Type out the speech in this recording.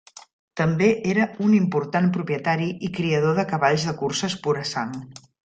També era un important propietari i criador de cavalls de curses pura sang.